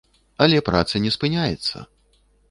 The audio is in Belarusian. Але праца не спыняецца!